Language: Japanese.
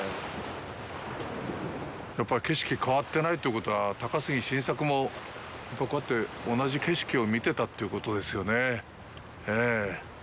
やっぱり、景色が変わってないということは、高杉晋作もこうやって同じ景色を見てたということですよねぇ。